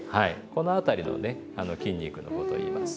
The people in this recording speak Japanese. この辺りのね筋肉のことをいいます。